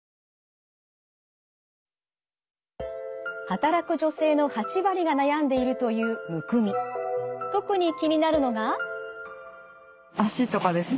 働く女性の８割が悩んでいるという特に気になるのが。